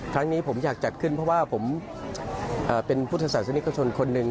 ครั้งนี้ผมอยากจัดขึ้นเพราะว่าผมเป็นพุทธศาสนิกชนคนหนึ่ง